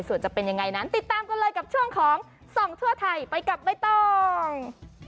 ส่วนจะเป็นยังไงนั้นติดตามกันเลยกับช่วงของส่องทั่วไทยไปกับใบตอง